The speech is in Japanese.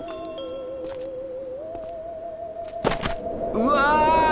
うわ！